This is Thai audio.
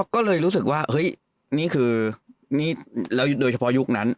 ก็เลยรู้สึกว่านี่คือโดยเฉพาะยุคนั้น